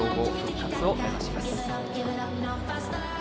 強豪復活を目指します。